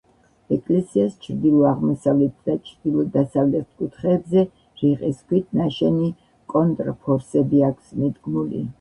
ეკლესიას ჩრდილო-აღმოსავლეთ და ჩრდილო-დასავლეთ კუთხეებზე რიყის ქვით ნაშენი კონტრფორსები აქვს მიდგმული.